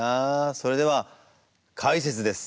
それでは解説です。